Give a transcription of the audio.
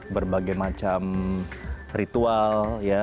berbagai macam ritual ya